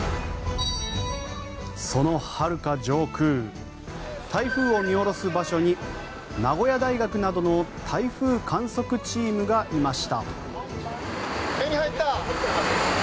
そのはるか上空台風を見下ろす場所に名古屋大学などの台風観測チームがいました。